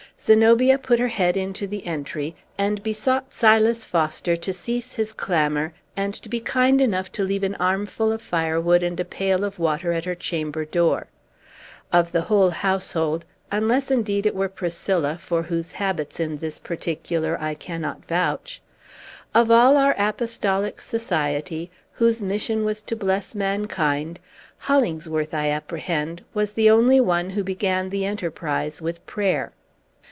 Zenobia put her head into the entry, and besought Silas Foster to cease his clamor, and to be kind enough to leave an armful of firewood and a pail of water at her chamber door. Of the whole household, unless, indeed, it were Priscilla, for whose habits, in this particular, I cannot vouch, of all our apostolic society, whose mission was to bless mankind, Hollingsworth, I apprehend, was the only one who began the enterprise with prayer.